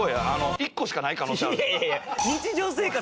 １個しかない可能性ある。